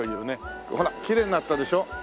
ほらきれいになったでしょ？